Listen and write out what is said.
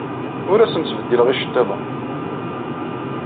Ur asen-ttbeddileɣ iceḍḍiḍen.